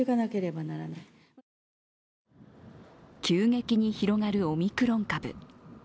急激に広がるオミクロン株。